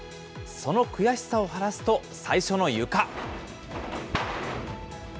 その悔しさを晴らすと、最初のゆか。